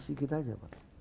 sikit saja pak